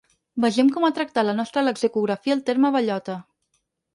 Vegem com ha tractat la nostra lexicografia el terme bellota.